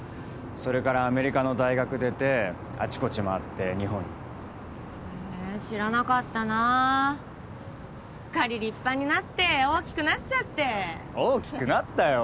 それからアメリカの大学出てあちこち回って日本にへ知らなかったなすっかり立派になって大きくなっちゃって大きくなったよ